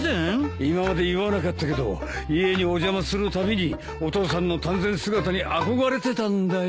今まで言わなかったけど家にお邪魔するたびにお父さんの丹前姿に憧れてたんだよ。